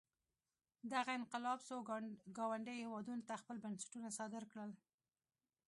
دغه انقلاب څو ګاونډیو هېوادونو ته خپل بنسټونه صادر کړل.